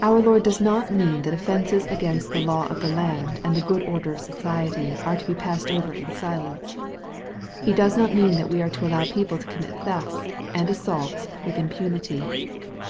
Our* Lord does not mean that offences against the law of the land and the good order cf society, are to be passed over in silence. He does not mean that we are to allow people to commit thefts, and assaults, with impunity.